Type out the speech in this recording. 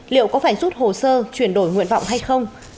liệu có phải rút hồ sơ chuyển đổi nguyện vọng hay không